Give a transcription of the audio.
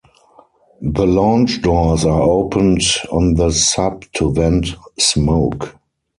The launch doors are opened on the sub to vent smoke.